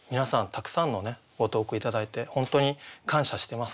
たくさんのご投句頂いて本当に感謝してます。